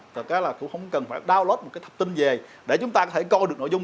tất cả là cũng không cần phải download một cái thập tin về để chúng ta có thể coi được nội dung